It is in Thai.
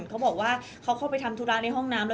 เขาบอกว่าเขาเข้าไปทำธุระในห้องน้ำแล้ว